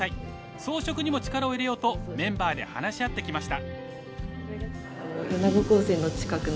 装飾にも力を入れようとメンバーで話し合ってきました。